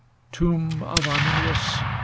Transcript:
XIV Tomb of Arminius !